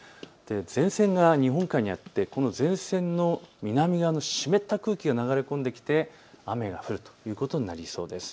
前線が日本海にあってこの前線の南側の湿った空気が流れ込んできて雨が降るということになりそうです。